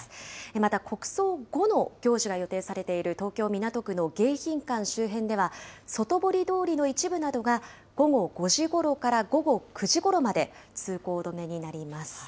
また国葬後の行事が予定されている東京・港区の迎賓館周辺では、外堀通りの一部などが、午後５時ごろから午後９時ごろまで、通行止めになります。